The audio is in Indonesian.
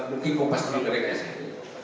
mungkin kompas tv tidak berkayasan